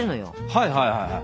はいはいはいはい。